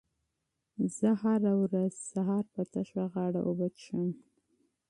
زه هره ورځ سهار په تشه غاړه اوبه څښم.